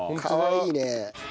かわいいね。